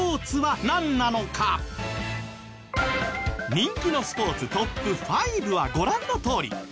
人気のスポーツトップ５はご覧のとおり。